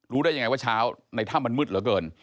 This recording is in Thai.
ได้ยังไงว่าเช้าในถ้ำมันมืดเหลือเกิน